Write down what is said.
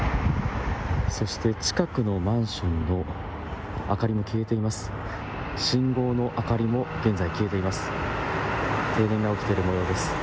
そして近くのマンションの明かりも消えています。